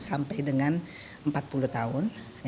sampai dengan empat puluh tahun